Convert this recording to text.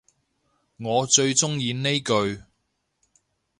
我最鍾意呢句